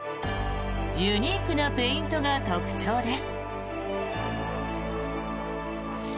ユニークなペイントが特徴です。